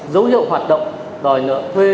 dấu hiệu hoạt động đòi nợ thuê